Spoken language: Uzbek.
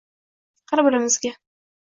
har birimizga